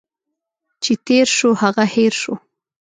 چي تیر شو، هغه هٻر شو.